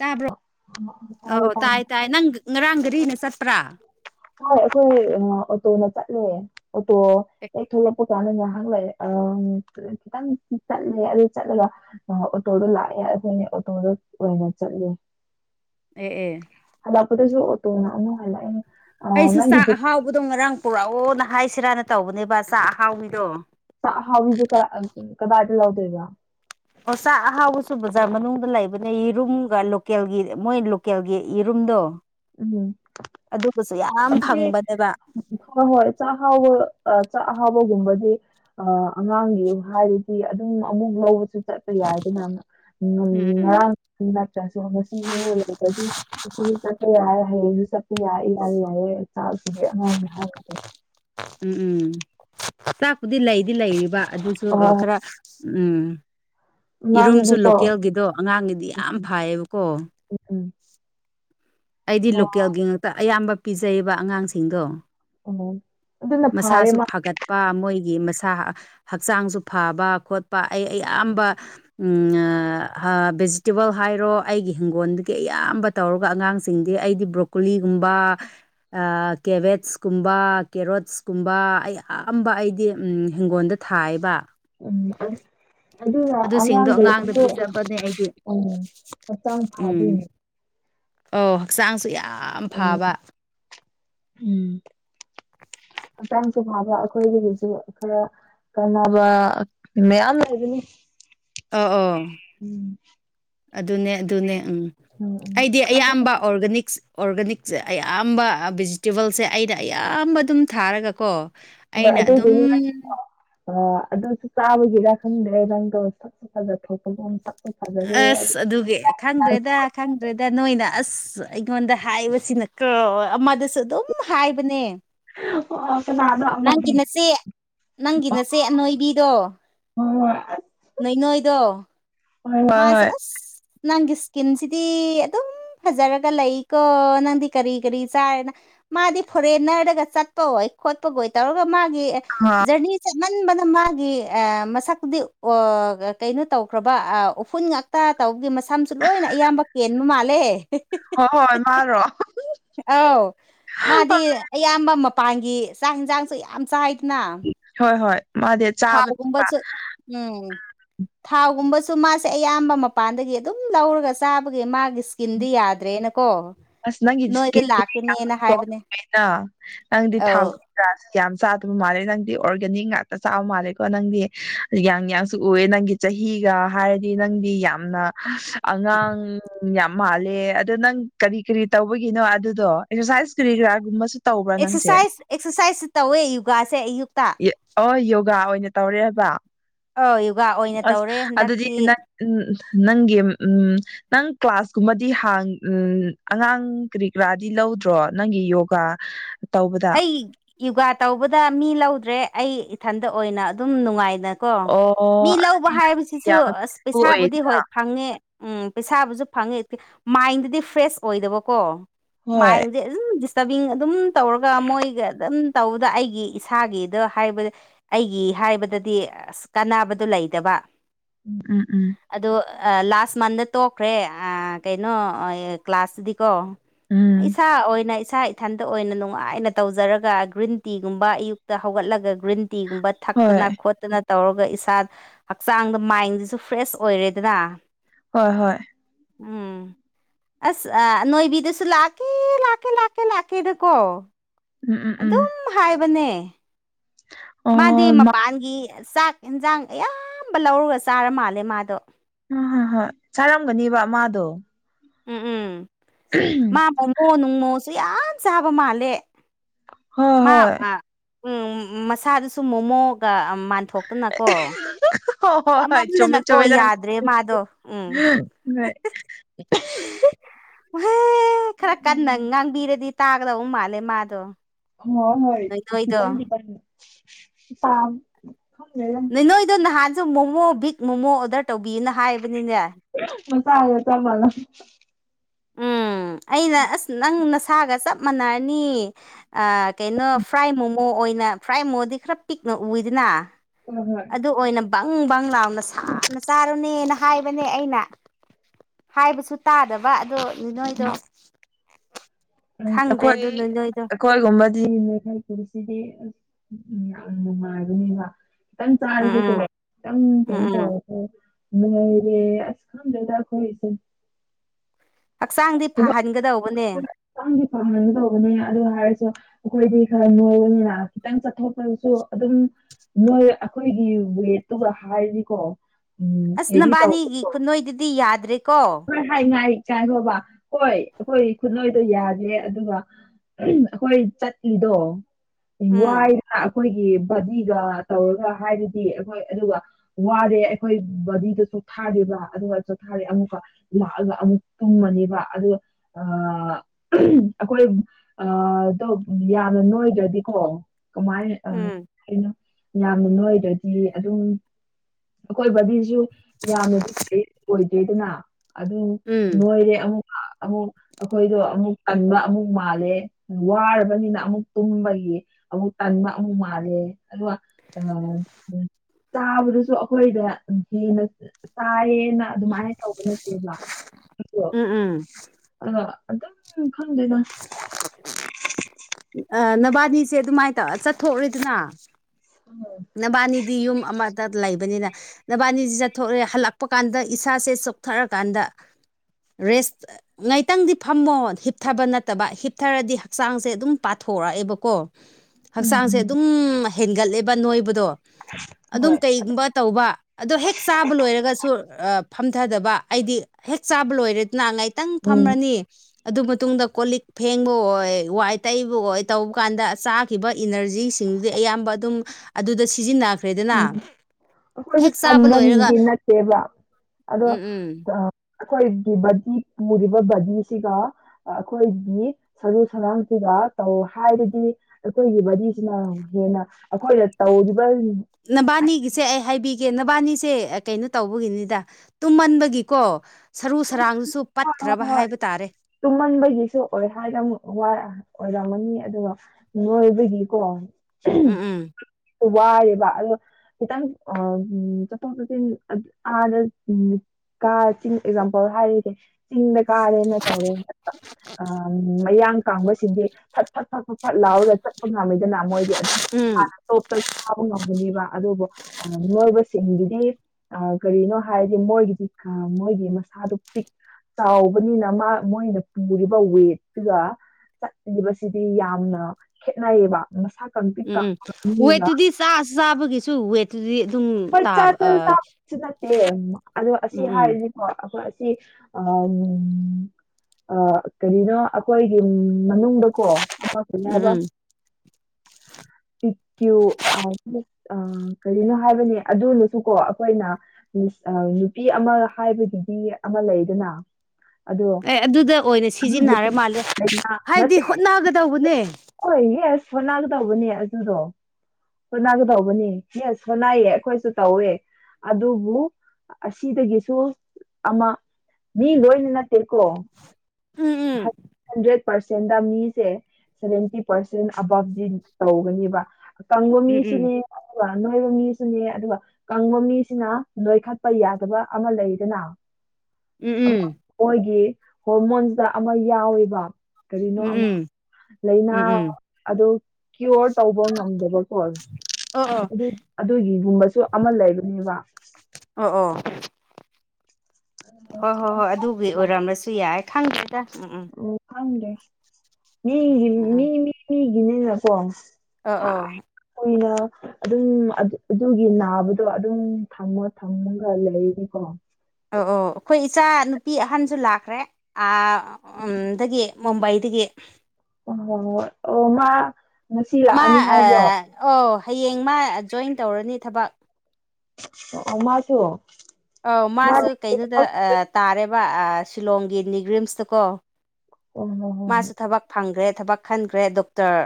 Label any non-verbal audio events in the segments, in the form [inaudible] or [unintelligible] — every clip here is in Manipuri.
ꯇꯥꯕ꯭ꯔꯣ ꯑ ꯇꯥꯔꯦ ꯇꯥꯔꯦ ꯇꯥꯏ ꯇꯥꯏ ꯅꯪ ꯉꯔꯥꯡꯗꯔꯤꯅ ꯆꯠꯄ꯭ꯔꯥ ꯍꯣꯏ ꯑꯩꯈꯣꯏ ꯑꯣꯇꯣꯅ ꯆꯠꯂꯦ ꯑꯣꯇꯣ ꯑꯦ ꯍꯦꯛ ꯊꯣꯛꯂꯛꯄ ꯆꯅ ꯉꯍꯥꯛ ꯂꯩꯥꯛꯑꯦ ꯑ ꯈꯤꯇꯪ ꯆꯠꯂꯦ ꯑꯗꯨ ꯆꯠꯂꯒ ꯑꯣꯇꯣꯗꯣ ꯂꯥꯛꯑꯦ ꯅꯤ ꯑꯣꯇꯣꯗ ꯑꯣꯏꯅ ꯆꯠꯂꯦ ꯑꯦ ꯑꯦ ꯕꯥꯄꯗꯁꯨ ꯑꯣ ꯇꯣꯅ ꯍꯂ ꯑꯩꯁꯨ ꯆꯥꯛ ꯑꯍꯥꯎꯕꯗꯣ ꯉꯔꯥꯡ ꯄꯨꯔꯛꯑꯣꯅ ꯍꯥꯏꯁꯤꯔꯥꯅ ꯇꯧꯕꯅꯦꯕ ꯆꯥꯛ ꯑꯍꯥꯎꯒꯤꯗꯣ ꯀ ꯕꯥꯇ ꯂꯥꯎꯇꯦꯕ ꯑꯣ ꯆꯥꯛ ꯑꯍꯥꯎꯕꯁꯨ ꯕꯖꯥꯔ ꯃꯅꯨꯡꯗ ꯂꯩꯕꯅꯦ ꯌꯦꯔꯨꯝꯒ ꯂꯣꯀꯦꯜꯒꯤ ꯃꯣꯏ ꯂꯣꯀꯦꯜꯒꯤ ꯌꯦꯨꯝ ꯍꯟꯗ ꯎꯝ ꯑꯗꯨꯗꯤ ꯐꯪꯕꯅꯦꯕ ꯍꯣꯏ ꯍꯣꯏ ꯆꯥꯛꯍꯥꯎ ꯑꯍꯥꯕꯒꯨꯝꯕꯗꯤ ꯑꯉꯥꯡꯒꯤ ꯍꯥꯏꯔꯗꯤ ꯑꯗꯨꯝ ꯑꯃꯨꯛ ꯂꯧꯕꯁꯨ ꯆꯠꯄ ꯌꯥꯏꯗꯅ ꯎꯝ ꯎꯝ ꯉꯔꯥꯡ ꯅꯠꯇ꯭ꯔꯁꯨ ꯉꯁꯤꯁꯨ ꯂꯩꯕꯗꯤ ꯌꯥꯔꯦ ꯍꯌꯦꯡꯁꯨ ꯆꯠꯄꯤ ꯌꯥꯔ ꯌꯥꯔꯦ ꯌꯥꯏꯔꯦꯁꯤꯡꯁꯦ ꯑꯉꯥꯡꯁ ꯍꯥꯏꯕꯅꯦ ꯎꯝ ꯎꯝ ꯆꯥꯛꯄꯨꯗꯤ ꯂꯩꯗꯤ ꯂꯩꯔꯤꯕ ꯑꯗꯨꯁꯨ ꯑꯣ ꯈꯔ ꯎꯝ ꯌꯦꯔꯨꯝꯁꯨ ꯑꯉꯥꯡꯗꯤꯀꯣ ꯂꯣꯀꯦꯜꯒꯤꯗꯣ ꯑꯉꯥꯡꯒꯤꯗꯤ ꯌꯥꯝ ꯐꯥꯏꯌꯦꯕꯀꯣ ꯎꯝ ꯑꯩꯗꯤ ꯑꯣ ꯂꯣꯀꯦꯜꯒꯤ ꯉꯥꯛꯛꯇ ꯑꯌꯥꯝꯕ ꯄꯤꯖꯩꯕ ꯑꯉꯥꯡꯁꯤꯡꯗꯣ ꯎꯝ ꯑꯗꯨꯅ ꯐꯥꯔꯦ ꯃꯁꯥꯁꯨ ꯃꯥ ꯐꯒꯠꯄ ꯃꯣꯏꯒꯤ ꯃꯁꯥ ꯍꯛꯆꯥꯡꯁꯨ ꯐꯕ ꯈꯣꯠꯄ ꯑꯩ ꯑꯌꯥꯝꯕ ꯚꯦꯖꯤꯇꯦꯕꯜ ꯍꯥꯏꯔꯣ ꯑꯩꯒꯤ ꯏꯤꯡꯒꯣꯜꯗꯒꯤ ꯑꯌꯥꯝꯕ ꯇꯧꯔꯒ ꯑꯉꯥꯡꯁꯤꯡꯗꯤ ꯑꯩꯗꯤ ꯕ꯭ꯔꯣꯀꯣꯂꯤꯒꯨꯝ ꯀꯦꯕꯦꯀꯨꯝ ꯀꯦꯣ ꯀꯨꯝꯕ ꯑꯌꯥꯝꯕ ꯑꯩꯗꯤ ꯍꯤꯡꯒꯣꯜꯗ ꯊꯥꯏꯕ ꯎꯝ ꯑꯗꯨꯅ ꯑꯗꯨꯁꯤꯡꯗꯣ ꯑꯉꯥꯡꯗ ꯑꯉꯥꯡꯒꯤꯁꯨ ꯄꯤꯖꯕꯅꯦ ꯑꯩ ꯗꯤ ꯎꯝ ꯍꯛꯆꯥꯡ ꯎꯝ ꯐꯥꯗꯣꯏꯅꯤ ꯑꯣ ꯍꯛꯆꯥꯡꯁꯨ ꯌꯥꯝ ꯎꯝ ꯐꯕ ꯎꯝ ꯍꯛꯆꯥꯡꯁꯨ ꯐꯕ ꯑꯩꯈꯣꯏꯒꯤꯁꯤꯁꯨ ꯈꯔ ꯀꯃꯕ ꯃ ꯃꯗꯤꯅꯤ ꯑ ꯑꯣ ꯑꯗꯨꯅꯦ ꯑꯗꯨꯅꯦ ꯎꯝ ꯎꯝ ꯑꯩꯗꯤ ꯎꯝ ꯑꯌꯥꯝꯕ ꯑꯣꯔꯒꯥꯅꯤꯛꯁ ꯑꯣꯔꯒꯥꯅꯤꯛꯁꯦ ꯑꯌꯥꯝꯕ ꯚꯤꯖꯤꯇꯦꯕꯜꯁꯦ ꯑꯩꯅ ꯑꯌꯥꯝꯕ ꯑꯗꯨꯝ ꯊꯥꯔꯒꯀꯣ ꯍꯣꯏ ꯑꯩꯅ ꯑꯗꯨꯝ ꯑꯗꯨꯏꯗꯨꯥꯛ ꯑ ꯑꯗꯨꯁꯨ ꯆꯥ ꯔ ꯈꯗ ꯆ ꯑꯁ ꯑꯗꯨꯒꯤ ꯈꯪꯗ꯭ꯔꯦꯗ ꯈꯪꯗ꯭ꯔꯦꯗ ꯅꯣꯏꯅ ꯑꯁ ꯑꯩꯉꯣꯟꯗ ꯍꯥꯏꯕꯁꯤꯅ ꯀ ꯑꯃꯗꯁꯨ ꯑꯗꯨꯝ ꯍꯥꯏꯕꯅꯦ ꯑꯣ ꯀꯅꯥꯅꯣ ꯅꯪꯒꯤ ꯑꯃꯗꯤ ꯅꯆꯦ ꯅꯪꯒꯤ ꯅꯆꯦ ꯑꯅꯣꯏꯕꯤꯗꯣ ꯍꯣꯏ ꯅꯣꯏ ꯅꯣꯏꯗ ꯍꯣꯏ ꯑꯁ ꯍꯣꯏ ꯍꯣꯏ ꯃꯥꯁ ꯑꯁ ꯅꯪꯒꯤ ꯏꯁꯀꯤꯟꯁꯤꯗꯤ ꯑꯗꯨꯝ ꯐꯖꯔꯒ ꯂꯩꯀꯣ ꯅꯪꯗꯤ ꯀꯔꯤ ꯀꯔꯤ ꯆꯥꯔꯦꯅ ꯃꯥꯗꯤ ꯐꯣꯔꯦꯟꯅꯔꯗꯒ ꯆꯠꯄ ꯍꯣꯏ ꯈꯣꯠꯄꯒꯣꯏ ꯇꯧꯔꯒ ꯃꯥꯒꯤ ꯍꯣꯏ ꯑꯥ ꯖꯔꯅꯤ ꯃꯟꯕꯅ ꯃꯥꯒꯤ ꯃꯁꯛꯇꯨꯗꯤ ꯀꯩꯅꯣ ꯇꯧꯈ꯭ꯔꯕ ꯎꯐꯨꯟ ꯉꯥꯛꯇ ꯇꯧꯒꯤ ꯃꯁꯝꯁꯨ ꯂꯣꯏꯅ ꯑꯌꯥꯝꯕ ꯀꯦꯟꯕ ꯃꯥꯜꯂꯦ ꯍꯣꯏ ꯍꯣꯏ ꯃꯥꯔꯣ ꯑꯥꯎ ꯃꯥꯗꯤ ꯑꯌꯥꯝꯕ ꯃꯄꯥꯟꯒꯤ ꯆꯥꯛ ꯌꯦꯟꯖꯥꯡꯁꯨ ꯌꯥꯝ ꯆꯥꯏ ꯍꯣꯏ ꯍꯣꯏ ꯃꯥꯗꯤ ꯆꯥꯕ ꯊꯛꯄ ꯊꯥꯎꯒꯨꯝꯕꯁꯨ ꯎꯝ ꯊꯥꯎꯒꯨꯝꯕꯁꯨ ꯃꯥꯁꯦ ꯑꯌꯥꯝꯕ ꯃꯄꯥꯟꯗꯒꯤ ꯑꯗꯨꯝ ꯂꯧꯔꯒ ꯆꯥꯕꯒꯤ ꯃꯥꯒꯤ ꯏꯁꯀꯤꯟꯗꯤ ꯌꯥꯗ꯭ꯔꯦꯅꯀꯣ ꯅꯣꯏꯗ ꯂꯥꯛꯀꯅꯦꯅ ꯍꯥꯏꯕꯅꯦ ꯑꯩꯅ ꯅꯪꯗꯤ ꯊꯥꯎ ꯑꯧ ꯀꯩꯗ꯭ꯔ ꯀꯌꯥꯝ ꯆꯥꯗꯕ ꯃꯥꯂꯦ ꯅꯪꯗꯤ ꯑꯣꯔꯒꯥꯅꯤꯛ ꯉꯥꯛꯇ ꯆꯥꯕ ꯃꯥꯜꯂꯦꯀꯣ ꯅꯪꯗꯤ ꯌꯥꯡ ꯌꯥꯡꯁꯨ ꯎꯑꯦ ꯅꯪꯒꯤ ꯆꯍꯤꯒ ꯍꯥꯏꯔꯗꯤ ꯅꯪꯗꯤ ꯌꯥꯝꯅ ꯑꯉꯥꯡ ꯌꯥꯝ ꯃꯥꯜꯂꯦ ꯑꯗ ꯅꯪ ꯀꯔꯤ ꯀꯔꯤ ꯇꯧꯕꯒꯤꯅꯣ ꯑꯗꯨꯗꯣ ꯑꯦꯛꯁꯔꯁꯥꯏꯁ ꯀꯔꯤ ꯀꯔꯥꯒꯨꯝꯕ ꯑꯦꯛꯁꯔꯁꯥꯏꯁ ꯑꯦꯛꯁꯔꯁꯥꯏꯁꯁꯨ ꯇꯧꯋꯦ ꯌꯣꯒꯥꯁꯦ ꯑꯌꯨꯛꯇ ꯒꯥ ꯑꯣꯏꯅ ꯇꯧꯔꯦꯕ ꯑꯧ ꯌꯣꯒꯥ ꯑꯣꯏꯅ ꯑꯁ ꯇꯧꯔꯦ ꯑꯗꯗꯤ ꯍꯟꯗꯛꯇꯤ ꯎ ꯅꯪꯒꯤ ꯎꯝ ꯅꯪ ꯀ꯭ꯂꯥꯁ ꯀꯨꯝꯕꯗꯤ ꯍꯥꯡ ꯎ ꯑꯉꯥꯡ ꯀꯔꯤ ꯀꯔꯥꯗꯤ ꯇꯧꯗ꯭ꯔꯣ ꯅꯪꯒꯤ ꯌꯣꯒꯥ ꯇꯧꯕꯗ ꯑꯩ ꯌꯣꯒꯥ ꯇꯧꯕꯗ ꯃꯤ ꯂꯧꯗ꯭ꯔꯦ ꯑꯩ ꯏꯊꯟꯇ ꯑꯣꯏꯅ ꯑꯗꯨꯝ ꯅꯨꯡꯉꯥꯏꯅꯅ ꯀꯣ ꯃꯤ ꯑꯣ ꯂꯧꯕ ꯑꯗꯨꯗꯤ ꯅꯪ ꯍꯥꯏꯕꯁꯤꯁꯨ ꯌꯥꯝꯅ ꯑꯁ ꯄꯤꯁꯐꯨꯜ ꯑꯣꯏꯌꯦ ꯄꯩꯁꯥꯕꯨꯗꯤ ꯍꯣꯏ ꯐꯪꯉꯦ ꯎꯝ ꯄꯩꯁꯥꯕꯨꯁꯨ ꯐꯪꯉꯦ ꯃꯥꯏꯟꯗꯗꯤ ꯐ꯭ꯔꯦꯁ ꯑꯣꯏꯗꯕꯀꯣ ꯍꯣꯏ ꯃꯥꯏꯟꯁꯦ ꯑꯗꯨꯝ ꯗꯤꯁꯇꯔꯕꯤꯡ ꯑꯗꯨꯝ ꯇꯧꯔꯒ ꯃꯣꯏꯒ ꯑꯗꯨꯝ ꯇꯧꯕꯗ ꯑꯩꯒꯤ ꯏꯁꯥꯒꯤꯗ ꯍꯥꯏꯕ ꯑꯩꯒꯤ ꯍꯥꯏꯕꯗꯗꯤ ꯑꯁ ꯀꯥꯟꯅꯕꯗꯨꯣ ꯂꯩꯇꯕ ꯎꯝ ꯎꯝ ꯑꯗꯣ ꯂꯥꯁ ꯃꯟꯗ ꯇꯣꯛꯈ꯭ꯔꯦ ꯀꯩꯅꯣ ꯀ꯭ꯂꯥꯁꯇꯨꯗꯤꯀꯣ ꯎꯝ ꯏꯁꯥ ꯑꯣꯏꯅ ꯏꯁꯥ ꯏꯊꯟꯇ ꯑꯣꯏꯅ ꯅꯨꯡꯉꯥꯏ ꯁꯃꯥꯏꯅ ꯇꯧꯖꯔꯒ ꯒ꯭ꯔꯤꯟ ꯇꯤꯒꯨꯝꯕ ꯑꯌꯨꯛꯇ ꯍꯧꯒꯠꯂꯒ ꯒ꯭ꯔꯤꯟ ꯇꯤꯒꯨꯝꯕ ꯊꯛꯇꯅ ꯍꯣꯏ ꯈꯣꯠꯇꯅ ꯇꯧꯔꯒ ꯏꯁꯥ ꯍꯛꯆꯥꯡꯗ ꯃꯥꯏꯟꯁꯤꯁꯨ ꯐ꯭ꯔꯦꯁ ꯑꯣꯏꯔꯦꯗꯅ ꯍꯣꯏ ꯍꯣꯏ ꯎꯝ ꯑꯁ ꯅꯣꯏꯕꯤꯗꯨꯁꯨ ꯂꯥꯛꯑꯀꯦ ꯂꯥꯛꯀꯦ ꯂꯥꯛꯀꯦ ꯂꯥꯛꯀꯦꯗꯀꯣ ꯎꯝ ꯎꯝ ꯎꯝ ꯑꯗꯨꯝ ꯍꯥꯏꯕꯅꯦ ꯃꯥꯗꯤ ꯑꯣ ꯃꯥ ꯃꯄꯥꯟꯒꯤ ꯆꯥꯛ ꯌꯦꯟꯁꯥꯡ ꯑꯌꯥꯝꯕ ꯂꯧꯔꯒ ꯆꯥꯔ ꯃꯥꯜꯂꯦ ꯃꯥꯗꯣ ꯑ ꯍ ꯍꯣꯏ ꯆꯥꯔꯝꯒꯅꯦꯕ ꯃꯥꯗꯣ ꯎꯝ ꯎꯝ ꯃꯥ ꯃꯣꯃꯣ ꯅꯨꯡꯃꯣꯁꯨ ꯌꯥꯝ ꯆꯥꯕ ꯃꯥꯜꯂꯦ ꯍꯣꯏ ꯃꯥ ꯍꯣꯏ ꯎꯝ ꯃꯁꯥꯗꯨꯁꯨ ꯃꯣꯃꯣꯒ ꯃꯥꯟꯊꯣꯛꯇꯅꯀꯣ ꯍ ꯍꯣꯏ ꯍꯣꯏ ꯆꯨꯝꯃꯦ ꯆꯃꯟꯗꯅꯀꯣ ꯆꯃꯦ ꯇꯔ ꯌꯥꯗ꯭ꯔꯦ ꯃꯥꯗꯣ ꯎꯝ ꯍ [inaudible] ꯎꯍꯦ ꯈꯔ ꯀꯟꯅ ꯉꯥꯡꯕꯤꯔꯗꯤ ꯇꯥꯒꯗꯧꯕ ꯃꯥꯜꯂꯦ ꯃꯥꯗꯣ ꯍꯣꯏ ꯍꯣꯏ ꯅꯣꯏ ꯅꯣꯏꯗꯣ ꯤꯄꯅꯤ ꯄꯅꯤ ꯄꯥꯝ ꯅꯣꯏ ꯅꯣꯏꯗꯣ ꯅꯍꯥꯟꯁꯨ ꯃꯣꯃꯣ ꯕꯤꯛ ꯃꯣꯃꯣ ꯑꯣꯗꯔ ꯇꯧꯕꯤꯌꯨꯅ ꯍꯥꯏꯕꯅꯤꯅꯦ ꯃꯁ ꯍꯥꯏ ꯆ ꯃꯂ ꯎꯝ ꯑꯩꯅ ꯑꯁ ꯅꯪ ꯏꯁꯥꯒ ꯆꯞ ꯃꯥꯟꯅꯔꯅꯤ ꯀꯩꯅꯣ ꯐ꯭ꯔꯥꯏ ꯃꯣꯃꯣ ꯑꯣꯏꯅ ꯐ꯭ꯔꯥꯏ ꯃꯣꯃꯣꯗꯤ ꯈꯔ ꯄꯤꯛ ꯎꯋꯗꯅ ꯍꯣꯏ ꯍꯣꯏ ꯑꯗꯨ ꯑꯣꯏꯅ ꯕꯪ ꯕꯪ ꯂꯥꯎꯅ ꯁꯅ ꯆꯥꯔꯨꯅꯦꯅ ꯍꯥꯏꯕꯅꯦ ꯑꯩꯅ ꯍꯥꯏꯕꯁꯨ ꯇꯥꯗꯕ ꯑꯗꯣ ꯅ ꯅꯣꯏꯗꯣ ꯎꯝ ꯈꯪꯗ꯭ꯔꯦ ꯑꯩꯈꯣꯏ ꯑꯗꯨ ꯅꯣꯏ ꯅꯣꯏꯗꯣ ꯑꯩꯈꯣꯏꯒꯨꯝꯕꯗꯤ ꯃꯈꯥꯏꯄꯨꯔꯁꯤꯗꯤ ꯎ ꯎ ꯌꯥꯝ ꯅꯨꯡꯉꯥꯏꯕꯅꯦꯕ ꯪꯆꯥ ꯎꯝ ꯎꯝ ꯆ ꯀꯪ ꯀ ꯎꯝ ꯇ ꯎꯝ ꯅꯣꯏꯔꯦ ꯑꯁ ꯈꯪꯗꯦꯗ ꯈꯣꯏꯁꯦ ꯍꯛꯆꯥꯡꯗꯤ ꯐꯍꯟꯒꯗꯧꯕꯅꯦ [unintelligible] ꯐꯪꯍꯟꯒꯦ ꯇꯧꯕꯅꯤ ꯑꯗꯨ ꯍꯥꯏꯔꯁꯨ ꯑꯩꯈꯣꯏꯗꯤ ꯈꯔꯥ ꯅꯣꯏꯕꯅꯤꯅ ꯈꯤꯇꯪ ꯆꯠꯊꯣꯛꯄꯗꯁꯨ ꯑꯗꯨꯝ ꯃꯣꯏ ꯑꯩꯈꯣꯏꯒꯤ ꯋꯦꯠꯇꯨꯒ ꯍꯥꯏꯔꯤꯀꯣ ꯑꯁ ꯅꯕꯥꯅꯤꯒꯤ ꯈꯨꯟꯅꯣꯏꯗꯨꯗꯤ ꯌꯥꯗ꯭ꯔꯦ ꯍꯣꯏ ꯍꯥꯏ ꯉꯥꯏ ꯆꯥꯏꯈꯕ ꯍꯣꯏ ꯑꯩꯈꯣꯏ ꯈꯨꯠꯅꯤꯏꯗꯣ ꯌꯥꯗꯔꯦ ꯑꯗꯨꯒ ꯎ ꯑꯩꯈꯣꯏ ꯆꯠꯂꯤꯗꯣ ꯎꯝ ꯋꯥꯏꯅ ꯑꯩꯈꯣꯏ ꯕꯗꯤꯒ ꯇꯧꯔꯒ ꯍꯥꯏꯕꯗꯤ ꯑꯩꯈꯣꯏ ꯑꯗꯨꯒ ꯋꯥꯔꯦ ꯑꯩꯈꯣꯏ ꯕꯗꯤꯗꯨꯁꯨ ꯊꯥꯔꯤꯕ ꯑꯗꯨꯒꯁꯨ ꯊꯥꯔꯤ ꯑꯃꯨꯛꯀ ꯂꯥꯛꯑꯒ ꯑꯃꯨꯛ ꯇꯨꯝꯃꯅꯦꯕ ꯑꯣ ꯑ ꯑꯩꯈꯣꯏ ꯑ ꯌꯥꯝꯅ ꯅꯣꯏꯗ꯭ꯔꯗꯤ ꯀꯣ ꯎꯝ ꯀꯃꯥꯏꯅ ꯅꯣꯏꯗꯗꯤ ꯑꯗꯨꯝ ꯑꯀꯣꯏꯕꯗꯤꯁꯨ ꯌꯥꯝꯅꯗꯤ ꯑꯣꯏꯗꯦꯗꯅ ꯑꯗꯨꯝ ꯎꯝ ꯅꯣꯏꯔꯦ ꯑꯃꯨꯛ ꯑꯃꯨꯛ ꯑꯩꯈꯣꯏꯗꯣ ꯑꯃꯨꯛ ꯀꯟꯕ ꯑꯃꯨꯛ ꯃꯥꯜꯂꯦ ꯋꯥꯔꯕꯅꯤꯅ ꯑꯃꯨꯛ ꯇꯨꯝꯕꯒꯤ ꯑꯃꯨꯛ ꯇꯟꯕ ꯑꯃꯨꯛ ꯃꯥꯜꯂꯦ ꯑꯗꯨꯒ ꯆꯥꯕꯗꯨꯁꯨ ꯑꯩꯈꯣꯏꯗ ꯍꯦꯟꯅ ꯆꯥꯏꯌꯦꯅ ꯑꯗꯨꯃꯥꯏꯅ ꯇꯧꯕꯅ ꯎꯝ ꯎꯝ ꯑꯗꯨꯝ ꯈꯪꯗꯦꯗꯥ ꯅꯕꯥꯅꯤꯁꯦ ꯑꯗꯨꯃꯥꯏꯅ ꯇꯧꯔ ꯆꯠꯊꯣꯛꯎꯔꯤꯗꯅ ꯎꯝ ꯅꯕꯥꯅꯤꯗꯤ ꯌꯨꯝ ꯑꯃꯗ ꯂꯩꯕꯅꯤꯅ ꯅꯕꯥꯅꯤꯁꯤ ꯆꯠꯊꯣꯛꯂꯦ ꯍꯜꯂꯛꯄ ꯀꯥꯟꯗ ꯏꯁꯥꯁꯦ ꯆꯣꯛꯊꯔꯀꯥꯟꯗ ꯔꯦꯁ ꯉꯥꯏꯇꯪꯗꯤ ꯐꯝꯃꯣ ꯍꯤꯞꯊꯕ ꯅꯠꯇꯕ ꯍꯤꯞꯊꯔꯗꯤ ꯍꯛꯆꯥꯡꯁꯦ ꯑꯗꯨꯝ ꯄꯥꯊꯣꯛ ꯊꯣꯛꯣꯔꯛꯑꯦꯕꯀꯣ ꯍꯛꯆꯥꯡꯁꯦ ꯎꯝ ꯑꯗꯨꯝ ꯍꯦꯟꯒꯠꯂꯦꯕ ꯅꯣꯏꯕꯗꯣ ꯑꯗꯨꯝ ꯍꯣꯏ ꯀꯩꯒꯨꯝꯕ ꯇꯧꯕ ꯑꯗꯣ ꯍꯦꯛ ꯆꯥꯕ ꯂꯣꯏꯔꯒꯁꯨ ꯐ ꯆꯠꯊꯗꯕ ꯑꯩꯗꯤ ꯍꯦꯛ ꯆꯥꯕ ꯂꯣꯏꯔꯦꯗꯅ ꯉꯥꯏꯇꯪ ꯎꯝ ꯐꯝꯔꯅꯤ ꯑꯗꯨ ꯃꯇꯨꯡꯗ ꯀꯣꯂꯤꯛ ꯐꯦꯡꯕ ꯑꯣꯏ ꯋꯥꯏ ꯇꯩꯕ ꯑꯣꯏ ꯇꯧꯕ ꯀꯥꯟꯗ ꯆꯥꯈꯤꯕ ꯏꯅꯔꯖꯤꯁꯤ ꯗꯤ ꯑꯌꯥꯝꯕ ꯑꯗꯨꯝ ꯑꯗꯨꯗ ꯁꯤꯖꯤꯟꯅꯈ꯭ꯔꯦꯗꯅ ꯎꯝ ꯑꯩꯈꯣꯏꯁꯨ ꯍꯦꯛ ꯆꯥꯕ ꯂꯣꯏꯔꯒ ꯆꯟꯐꯝꯗꯤ ꯅꯠꯇꯦꯕ ꯑꯗꯣ ꯎꯝ ꯎꯝ ꯑꯩꯈꯣꯏꯒꯤ ꯕꯗꯤ ꯄꯨꯔꯤꯕ ꯕꯗꯤꯁꯤꯒ ꯑꯩꯈꯣꯏꯒꯤ ꯁꯔꯨ ꯁꯔꯥꯡꯁꯤꯒ ꯇꯧ ꯍꯥꯏꯔꯗꯤ ꯑꯩꯈꯣꯏꯒꯤ ꯕꯗꯤꯁꯤꯅ ꯍꯦꯟꯅ ꯑꯩꯈꯣꯏꯅ ꯇꯧꯔꯤꯕ ꯅꯕꯥꯅꯤꯒꯤꯁꯦ ꯑꯩ ꯍꯥꯏꯕꯤ ꯏꯒꯦ ꯅꯕꯥꯅꯤꯁꯦ ꯀꯩꯅꯣ ꯇꯧꯕꯒꯤꯅꯤꯗ ꯇꯨꯝꯃꯟꯕꯒꯤꯀꯣ ꯁꯔꯨ ꯁꯔꯥꯡꯗꯨꯁꯨ ꯍ ꯍꯣꯏ ꯄꯠꯈ꯭ꯔꯕ ꯍꯣꯏ ꯍꯥꯏꯕ ꯇꯥꯔꯦ ꯇꯨꯝꯃꯟꯕꯒꯤꯁꯨ ꯑꯣꯏ ꯍꯥꯏꯅ ꯑꯃꯨꯛ ꯋꯥꯔꯛ ꯑꯣꯏꯔꯝꯃꯅꯤ ꯑꯗꯨꯒ ꯅꯣꯏꯕꯒꯤꯀꯣ ꯎꯝ ꯎꯝ ꯋꯥꯔꯦꯕ ꯑꯣ [unintelligible] ꯑꯦꯛꯖꯥꯝꯄꯜ ꯍꯥꯏꯔ꯭ꯁꯤ ꯆꯤꯡꯗ ꯀꯥꯔꯦꯅ ꯇꯧꯔꯦ ꯎ ꯃꯌꯥꯡ ꯀꯪꯕꯥꯁꯤꯡꯗꯤ ꯐꯠ ꯐꯠ ꯐꯠ ꯂꯥꯎꯔꯒ ꯆꯠꯄ ꯉꯝꯃꯤꯗꯅ ꯃꯣꯏꯗꯤ ꯑꯗꯨꯝ ꯎꯝ ꯍꯥꯟꯅ ꯇꯣꯇ ꯀꯥꯕ ꯉꯝꯒꯅꯤꯕ ꯑꯗꯨꯕꯨ ꯅꯣꯏꯕꯁꯤꯡꯒꯤꯗꯤ ꯑ ꯀꯔꯤꯅꯣ ꯍꯥꯏꯔꯗꯤ ꯃꯣꯏꯒꯤꯗꯤ ꯃꯣꯏꯒꯤ ꯃꯁꯥꯗꯨ ꯄꯤꯛ ꯆꯥꯎꯕꯅꯤꯅ ꯃꯥ ꯃꯣꯏꯅ ꯄꯨꯔꯤꯕ ꯋꯦꯠꯇꯨꯒ ꯆꯠꯂꯤꯕꯁꯤꯗꯤ ꯌꯥꯝꯅ ꯈꯦꯠꯅꯩꯌꯦꯕ ꯃꯁꯥ ꯀꯪ ꯄꯤꯛ ꯎꯝ ꯎꯝ ꯀꯪꯕ ꯃꯤꯒ ꯋꯦꯠꯇꯨꯗꯤ ꯆꯥꯕꯒꯤꯁꯨ ꯋꯦꯠꯇꯨꯗꯤ ꯑꯗꯨꯝ ꯍꯣꯏ ꯆꯥ ꯇꯥꯕ ꯑꯥ ꯆꯥꯕꯁꯨ ꯅꯠꯇꯦ ꯑꯗꯣ ꯑꯁꯤ ꯎꯝ ꯎꯝ ꯍꯥꯏꯔꯤꯅꯤꯀꯣ ꯑꯈꯣꯏ ꯁꯤ ꯀꯔꯤꯅꯣ ꯑꯩꯈꯣꯏꯒꯤ ꯃꯅꯨꯡꯗꯀꯣ ꯑꯃ ꯎꯝ ꯀꯔꯤꯍꯥꯏꯕ ꯎꯝ ꯍꯥꯏꯕꯅꯦ ꯑꯗꯨꯅꯁꯨꯀꯣ ꯑꯩꯈꯣꯏꯅ ꯅꯨꯄꯤ ꯑꯃ ꯍꯥꯏꯕꯒꯤꯗꯤ ꯑꯃ ꯂꯩꯗꯅ ꯎ ꯑꯦ ꯑꯗꯨꯗ ꯑꯣꯏꯅ ꯁꯤꯖꯤꯟꯅꯔ ꯃꯥꯜꯂꯦ ꯅꯠꯇꯦ ꯍꯥꯏꯗꯤ ꯍꯣꯠꯅꯒꯗꯧꯕꯅꯦ ꯍꯣꯏ ꯌꯦꯁ ꯁꯣꯅꯥꯒ ꯇꯧꯕꯅꯦ ꯑꯗꯨꯗꯣ ꯁꯣꯅꯥꯒ ꯇꯧꯕꯅꯦ ꯌꯦꯁ ꯁꯣꯅꯥ ꯌꯦꯁ ꯑꯩꯈꯣꯏꯁꯨ ꯇꯧꯋꯦ ꯑꯗꯨꯕꯨ ꯑꯁꯤꯗꯒꯤꯁꯨ ꯑꯃ ꯃꯤ ꯂꯣꯏꯅꯅ ꯆꯦꯀꯣ ꯎꯝ ꯎꯝ ꯍꯠ ꯍꯟꯗ꯭ꯔꯦꯠ ꯄꯔꯁꯦꯟꯗ ꯃꯤꯁꯦ ꯁꯚꯦꯟꯇꯤ ꯄꯔꯁꯦꯟ ꯑꯕꯞꯗꯤ ꯇꯧꯒꯅꯦꯕ ꯎꯝ ꯀꯪꯒꯣꯃꯤꯁꯨꯅꯦ ꯍꯥꯏꯩꯕ ꯃꯤꯁꯨꯅꯦ ꯑꯗꯨꯒ ꯀꯪꯕ ꯃꯤꯁꯤꯅ ꯅꯣꯏꯈꯠꯄ ꯌꯥꯗꯕ ꯑꯃ ꯂꯩꯗꯅ ꯎꯝ ꯎꯝ ꯃꯣꯏꯒꯤ ꯍꯣꯔꯃꯣꯟꯁꯇ ꯑꯃ ꯌꯥꯎꯋꯦꯕ ꯎꯝ ꯀꯔꯤꯅꯣ ꯑꯃ ꯎꯝ ꯎꯝ ꯂꯥꯏꯅꯥ ꯎꯝ ꯎꯝ ꯑꯗꯨ ꯀꯤꯌꯣꯔ ꯇꯧꯕ ꯉꯝꯗꯕꯀꯣ ꯑꯣ ꯑꯣ ꯑꯗꯨ ꯑꯗꯨꯒꯤꯒꯨꯝꯕꯁꯨ ꯑꯃ ꯂꯩꯕꯅꯦꯕ ꯑꯣ ꯑꯣ ꯍꯣꯏ ꯍꯣꯏ ꯍꯣꯏ ꯑꯗꯨꯒꯤ ꯑꯣꯏꯔꯝꯂꯁꯨ ꯌꯥꯏ ꯈꯪꯗꯦ ꯑꯣ ꯈꯪꯗꯦ ꯃꯤꯒꯤ ꯃꯤ ꯃꯤ ꯃꯤꯒꯤꯅꯤꯅꯀꯣ ꯑ ꯑ ꯅ ꯑꯗꯨꯝ ꯑꯗꯨꯒꯤ ꯅꯥꯕꯗꯣ ꯑꯗꯨꯝ ꯊꯝꯃ ꯊꯝꯃꯒ ꯂꯩꯅꯤꯀꯣ ꯑꯣ ꯑꯣ ꯑꯩꯈꯣꯏ ꯏꯆꯥ ꯅꯨꯄꯤ ꯑꯍꯟꯁꯨ ꯂꯥꯛꯈ꯭ꯔꯦ ꯗꯒꯤ ꯃꯨꯝꯕꯥꯏꯗꯒꯤ ꯑꯣ ꯑꯣ ꯃꯥ ꯉꯁꯤ ꯃꯥ ꯂꯥꯛꯑꯅꯤ ꯍꯥꯏꯕ꯭ꯔꯣ ꯑꯣ ꯍꯌꯦꯡ ꯃꯥ ꯖꯣꯏꯟ ꯇꯧꯔꯅꯤ ꯊꯕꯛ ꯀꯃꯥꯏꯁꯨ ꯑꯧ ꯃꯥꯁꯨ ꯀꯩꯅꯣꯗ ꯇꯥꯔꯦꯕ ꯁꯤꯂꯣꯡꯒꯤ ꯅꯤꯒ꯭ꯔꯤꯝꯁꯇꯀꯣ ꯑꯣ ꯍꯣ ꯍꯣꯏ ꯃꯥꯁꯨ ꯍꯣꯏ ꯊꯕꯛ ꯐꯪꯈ꯭ꯔꯦ ꯊꯕꯛ ꯈꯟꯈ꯭ꯔꯦ ꯗꯣꯛꯇꯔ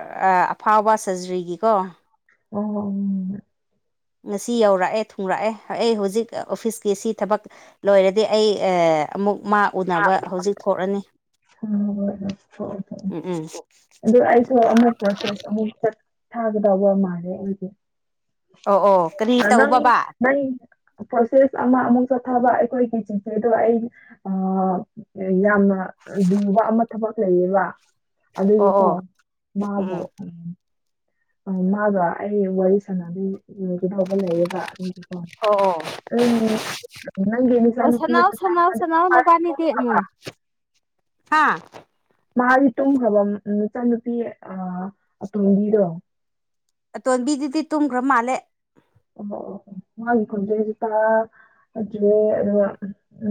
ꯑꯐꯥꯎꯕ ꯁꯔꯖꯔꯤꯒꯤꯀꯣ ꯑꯣ ꯉꯁꯤ ꯌꯧꯔꯛꯑꯦ ꯊꯨꯡꯔꯛꯑꯦ ꯑꯩ ꯍꯧꯖꯤꯛ ꯑꯣꯐꯤꯁꯀꯤ ꯁꯤ ꯊꯕꯛ ꯂꯣꯏꯔꯗꯤ ꯑꯩ ꯑꯃꯨꯛ ꯃꯥ ꯎꯅꯕ ꯍꯧꯖꯤꯛ ꯊꯣꯛꯂꯅꯤ ꯍ ꯍ ꯍ ꯍꯗꯁꯨ ꯑꯃꯨꯛ ꯄꯣꯁꯦꯁ ꯑꯃꯨꯛ ꯆ ꯊꯒꯗꯕ ꯃꯥꯦ ꯑꯩꯗꯤ ꯑꯣ ꯑꯣ ꯀꯔꯤ ꯅ ꯇꯧꯕꯕꯥ ꯅ ꯄꯣꯁꯦꯁ ꯑꯃ ꯆ ꯊꯕ ꯑꯩꯈꯣꯏꯒꯤ ꯆꯤꯊꯤꯗ ꯑꯩ ꯌꯥꯝꯅ ꯂꯨꯕ ꯑꯃ ꯊꯕꯛ ꯂꯩꯌꯦꯕ ꯑꯣ ꯑꯗꯨꯗꯤꯀꯣ ꯑꯣ ꯎꯝ ꯎꯝ ꯃꯥꯕꯨꯣ ꯎ ꯑ ꯃꯥꯒꯣ ꯑꯩ ꯋꯥꯔꯤ ꯁꯥꯟꯅꯗꯒꯗꯧꯕ ꯂꯩꯌꯦꯕ ꯑꯗꯨꯒꯤꯀꯣ ꯑꯣ ꯑꯣ ꯎꯝ ꯅꯪꯦ ꯆ ꯑꯣ ꯁꯅꯥꯎ ꯁꯅꯥꯎ ꯄ ꯍꯥꯥ ꯃꯥꯗꯤ ꯇꯨꯝꯈ꯭ꯔꯕ ꯃꯆꯥꯅꯨꯄꯤ ꯑꯇꯣꯝꯕꯤꯗꯣ ꯑꯇꯣꯟꯕꯤꯗꯨꯗꯤ ꯇꯨꯝꯈ꯭ꯔ ꯃꯥꯜꯂꯦ ꯑꯣ ꯃꯥꯒꯤ ꯄꯨꯖꯦ ꯑꯗꯨꯦ ꯑꯗꯨꯒ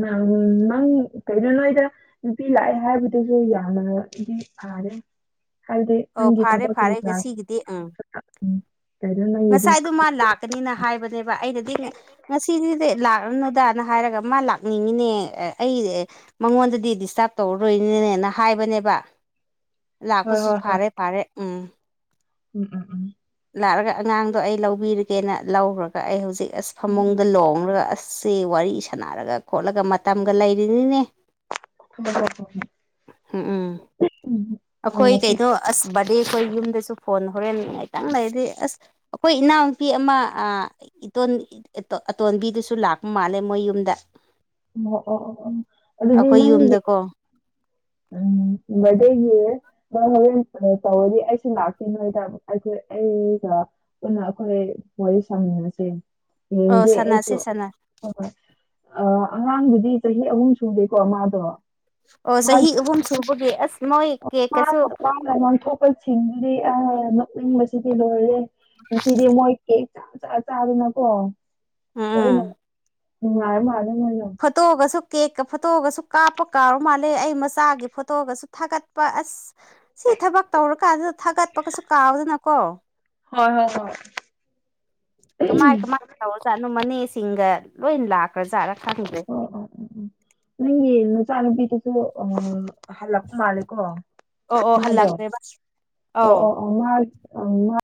ꯅꯪ ꯅꯪ ꯀꯩꯅꯣ ꯅꯣꯣꯏꯗ ꯅꯨꯄꯤ ꯂꯥꯛꯑꯦ ꯍꯥꯏꯕꯗꯨꯁꯨ ꯌꯥꯅꯗꯤ ꯐꯔꯦ ꯍꯥꯏꯗꯦ ꯑꯣ ꯅꯪꯒ ꯐꯥꯔꯦ ꯐꯥꯔꯦ ꯊꯕꯗ꯭ꯔꯥ ꯉꯁꯤꯒꯤꯗꯤ ꯎꯝ ꯎꯝ ꯀꯗꯅ ꯌꯦ ꯅ ꯍꯥꯏꯕꯅꯦꯕ ꯑꯩꯅꯗꯤ ꯉꯁꯤꯗꯤꯗꯤ ꯂꯥꯛꯂꯅꯨꯗꯅ ꯍꯥꯏꯔꯒ ꯑꯃ ꯂꯥꯛꯅꯤꯡꯉꯤꯅꯦ ꯑꯩ ꯃꯉꯣꯟꯗꯗꯤ ꯗꯤꯁꯇꯥꯔꯕ ꯇꯧꯔꯔꯣꯏꯅꯤꯅꯦꯅ ꯍꯥꯏꯕꯅꯦꯕ [inaudible] ꯍꯣꯏ ꯂꯥꯛꯄꯁꯨ ꯍꯣꯏ ꯍꯣꯏ ꯐꯔꯦ ꯐꯥꯔꯦ ꯎꯝ ꯎꯝ ꯎꯝ ꯎꯝ ꯂꯥꯛꯑꯒ ꯑꯉꯥꯡꯗꯣ ꯑꯩ ꯂꯧꯕꯤꯔꯒꯦꯅ ꯂꯧꯔꯒ ꯑꯩ ꯍꯧꯖꯤꯛ ꯑꯁ ꯎꯝ ꯐꯃꯨꯡꯗ ꯂꯣꯡꯂꯒ ꯑꯁ ꯁꯦ ꯋꯥꯔꯤ ꯁꯥꯟꯅꯔꯒ ꯈꯣꯠꯂꯒ ꯃꯇꯝꯒ ꯂꯩꯔꯤꯅꯤꯅꯦ ꯊꯕꯛ ꯇꯧꯕꯒꯤ ꯎꯝ ꯎꯝ ꯎꯝ ꯑꯈꯣꯏ ꯑ ꯁꯨꯝ ꯀꯩꯗꯣ ꯑꯁ ꯑꯗꯩ ꯑꯩꯈꯣꯏ ꯌꯨꯝꯗꯁꯨ ꯐꯣꯟ ꯍꯣꯔꯦꯟꯅꯤꯡꯉꯥꯏ ꯈꯤꯇꯪ ꯂꯩꯗꯤ ꯑꯁ ꯑꯩꯈꯣꯏ ꯏꯅꯥꯎꯅꯨꯄꯤ ꯑꯃ ꯑꯇꯣꯟꯕꯤꯗꯨꯁꯨ ꯂꯥꯛ ꯂꯥꯛ ꯃꯥꯜꯂꯦ ꯃꯌꯨꯝꯗ꯫ ꯎꯝ ꯑꯣ ꯑꯣ ꯑꯣ ꯎꯝ ꯑꯗꯨꯗꯤ ꯅꯪ ꯌꯨꯝꯗꯀꯣ ꯎꯝ ꯗꯦꯒꯤ [unintelligible] ꯑꯩꯁꯨ ꯂꯥꯛꯇꯣꯅꯦ [unintelligible] ꯑꯩꯒ ꯄꯨꯂꯞ ꯄꯨꯟꯅ ꯑꯩꯈꯣꯏ ꯋꯥꯔꯤ ꯁꯥꯃꯤꯟꯅꯁꯦ꯫ ꯑꯣ ꯌꯦꯡꯗꯦ ꯑꯩꯁꯨ ꯁꯥꯟꯅꯁꯦ ꯍꯣꯏ ꯁꯥꯟꯅ ꯍꯣꯏ ꯑ ꯑꯉꯥꯡꯗꯨꯗꯤ ꯆꯍꯤ ꯑꯍꯨꯝ ꯁꯨꯗꯩꯀꯣ ꯃꯥꯗꯣ꯫ ꯑꯣ ꯆꯍꯤ ꯃꯥꯒꯤ ꯑꯍꯨꯝ ꯁꯨꯕꯒꯤ ꯑꯁ ꯃꯣꯏ ꯀꯦꯛ ꯀꯁꯨ ꯁꯤꯡꯕꯗꯤ ꯑ ꯅꯣꯛꯅꯤꯡꯕꯁꯤꯗꯤ ꯂꯣꯏꯔꯦꯍꯦ꯫ ꯉꯁꯤꯗꯤ ꯃꯣꯏ ꯀꯦꯛ ꯆꯥ ꯆꯥ ꯆꯥꯗꯅꯀꯣ ꯎꯝ ꯂꯣꯏꯅ ꯅꯨꯡꯉꯥꯏꯕ ꯃꯥꯜꯂꯦ꯫ ꯃꯣꯏꯗꯣ ꯐꯠꯇꯣꯒꯁꯨ ꯀꯦꯛꯀ ꯐꯣꯇꯣꯒꯁꯨ ꯀꯥꯞꯄ ꯀꯥꯎ ꯃꯥꯜꯂꯦ ꯑꯩ ꯃꯆꯥꯒꯤ ꯐꯣꯇꯣꯒꯁꯨ ꯊꯥꯒꯠꯄ ꯑꯁ ꯁꯤ ꯊꯕꯛ ꯇꯧꯔ ꯀꯥꯟꯗꯨꯗ ꯊꯥꯒꯠꯄꯒꯁꯨ ꯀꯥꯎꯗꯅꯀꯣ ꯍꯣꯏ ꯍꯣꯏ ꯍꯣꯏ ꯀꯃꯥꯏ ꯀꯃꯥꯏ [unintelligible] ꯃꯅꯦꯁꯤꯡꯒ ꯂꯣꯏ ꯂꯥꯛꯈ꯭ꯔꯖꯥꯔ ꯑꯣ ꯑꯣ ꯑꯣ ꯑꯣ ꯅꯪꯒꯤ ꯃꯆꯥꯅꯨꯄꯤꯗꯨꯁꯨ ꯑ ꯍꯜꯂꯄ ꯃꯥꯂꯦꯀꯣ ꯑꯣ ꯑꯣ ꯃꯥꯗꯣ ꯍꯜꯂꯛꯈ꯭ꯔꯦꯕ ꯑꯣ ꯑꯧ ꯑꯣ ꯑꯣ ꯃꯥ ꯑ ꯃꯥ